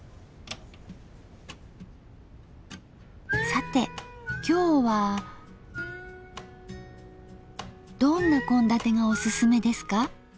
さて今日はどんな献立がおすすめですか？